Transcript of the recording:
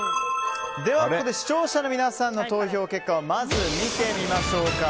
では、視聴者の皆さんの投票結果をまず見てみましょう。